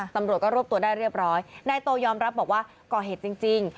ตำรวจก็รวบตัวได้เรียบร้อยนายโตยอมรับบอกว่าก่อเหตุจริง